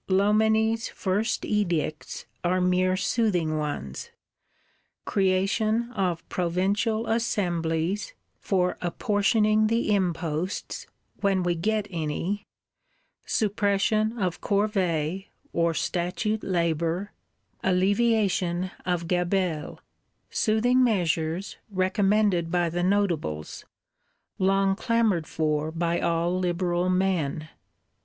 Loménie's first Edicts are mere soothing ones: creation of Provincial Assemblies, "for apportioning the imposts," when we get any; suppression of Corvées or statute labour; alleviation of Gabelle. Soothing measures, recommended by the Notables; long clamoured for by all liberal men.